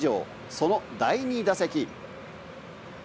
その第２打席。